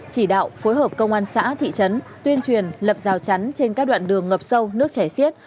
chỉ đạo phối hợp công an xã thị trấn tuyên truyền lập rào chắn trên các đoạn đường ngập sâu nước chảy xiết